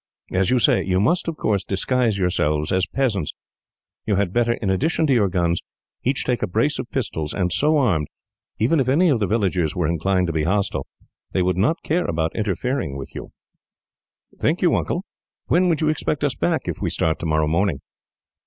As you say, you must, of course, disguise yourselves as peasants. You had better, in addition to your guns, each take a brace of pistols, and so armed, even if any of the villagers were inclined to be hostile, they would not care about interfering with you." "Thank you, Uncle. When would you expect us back, if we start tomorrow morning?"